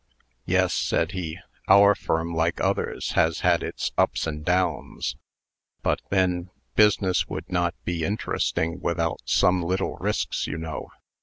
"Yes," said he; "our firm, like others, has had its ups and downs; but then, business would not be interesting without some little risks, you know."